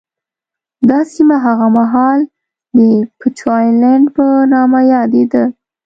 دا سیمه هغه مهال د بچوالېنډ په نامه یادېده.